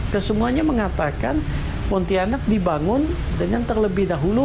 kesemuanya mengatakan pontianak dibangun dengan terlebih dahulu